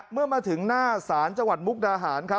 เมื่อมาถึงหน้าศาลจังหวัดมุกดาหาร